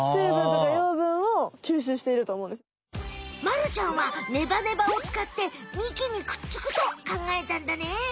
まるちゃんはネバネバをつかって幹にくっつくとかんがえたんだね。